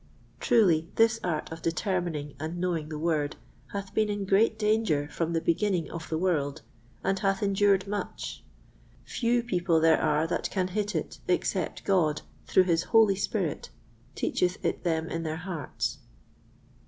Truly this art of determining and knowing the Word hath been in great danger from the beginning of the world, and hath endured much: few people there are that can hit it, except God, through his Holy Spirit, teacheth it them in their hearts.